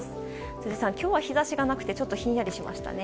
辻さん、今日は日差しがなくてちょっとひんやりしましたね。